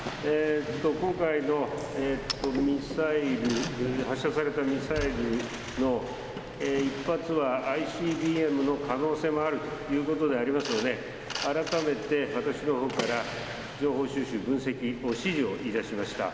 今回のミサイル、発射されたミサイルの１発はＩＣＢＭの可能性もあるということでありますので、改めて私のほうから情報収集、分析の指示をいたしました。